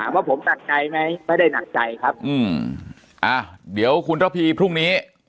ว่าผมหนักใจไหมไม่ได้หนักใจครับอืมอ่าเดี๋ยวคุณระพีพรุ่งนี้